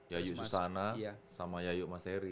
yayu susana sama yayu maseri